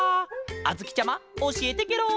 あづきちゃまおしえてケロ！